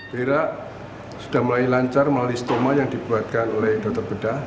kira sudah mulai lancar melalui stoma yang dibuatkan oleh dokter bedah